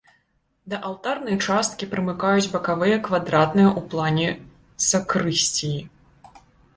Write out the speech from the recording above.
Да алтарнай часткі прымыкаюць бакавыя квадратныя ў плане сакрысціі.